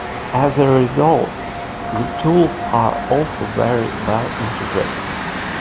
As a result, the tools are also very well integrated.